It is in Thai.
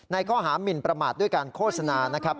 ข้อหามินประมาทด้วยการโฆษณานะครับ